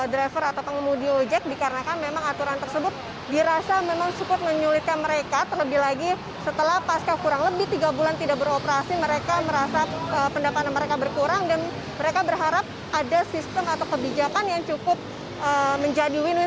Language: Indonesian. dan juga bagaimana nantinya untuk pengemudi ojek online